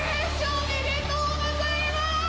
おめでとうございます！